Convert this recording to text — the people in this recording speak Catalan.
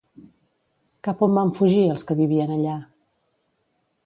Cap on van fugir els que vivien allà?